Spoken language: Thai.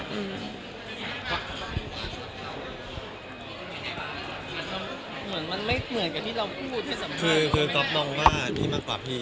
คือกรอบมองมาที่มากกว่าพี่